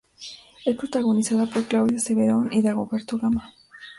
Es protagonizada por Claudia Soberón y Dagoberto Gama.